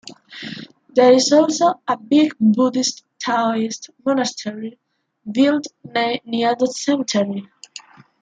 There is also a big Buddhist-Taoist monastery built near the cemetery.